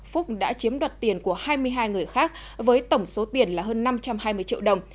phúc đã chiếm đoạt tiền của hai mươi hai người khác với tổng số tiền là hơn năm trăm hai mươi triệu đồng